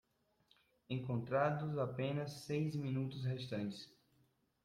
Encontrados apenas seis minutos restantes